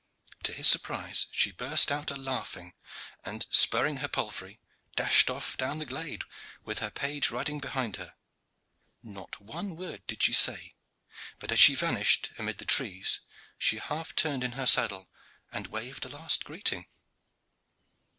To his surprise she burst out a laughing, and, spurring her palfrey, dashed off down the glade, with her page riding behind her. Not one word did she say, but as she vanished amid the trees she half turned in her saddle and waved a last greeting.